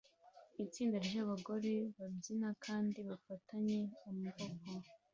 Itsinda ry'abagore babyina kandi bafatanye amaboko